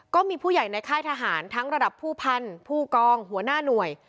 ก็มีผู้ใหญ่ในค่ายทหารทั้งระดับผู้พันธุ์ผู้กองหัวหน้าหน่วย